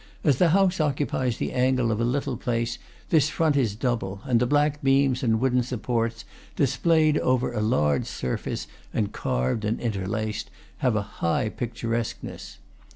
As the house occupies the angle of a little place, this front is double, and the black beams and wooden supports, displayed over a large surface and carved and interlaced, have a high picturesqueness.